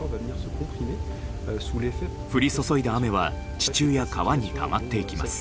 降り注いだ雨は地中や川にたまっていきます。